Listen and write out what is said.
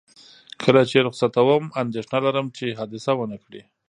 کله چې یې رخصتوم، اندېښنه لرم چې حادثه ونه کړي.